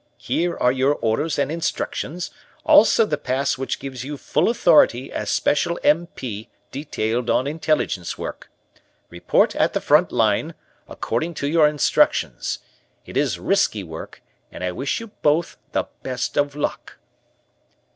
Here are your orders and instructions, also the pass which gives you full authority as special M. P. detailed on intelligence work. Report at the front line according to your instructions. It is risky work and I wish you both the best of luck."